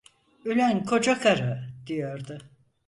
"Ülen kocakarı" diyordu.